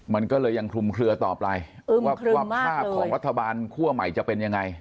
มันก็เลยยังคลุมเคลือต่อไปว่าภาพของรัฐบาลคั่วใหม่จะเป็นยังไง